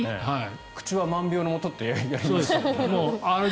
口は万病のもとってやりましたから。